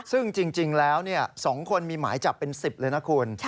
ซึ่งจริงแล้ว๒คนมีหมายจับเป็น๑๐เลยนะคุณ